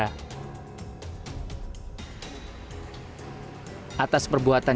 atas perbuatan yang dilakukan kpk menjerat menteri sosial juliari batubara